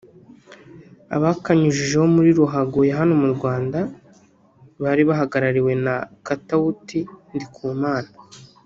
Abakanyujijeho muri ruhago ya hano mu Rwanda bari bahagarariwe na Katauti Ndikumana